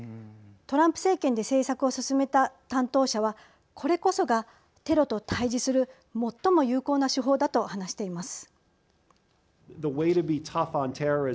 トランプ政権で政策を進めた担当者はこれこそがテロと対じする最も有効な手法だと話しています。